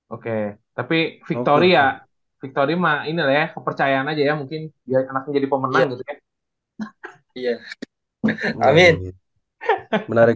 oke tapi victoria victoria mah ini leher percayaan aja ya mungkin jadi pemenang